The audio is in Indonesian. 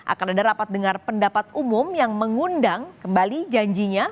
akan ada rapat dengar pendapat umum yang mengundang kembali janjinya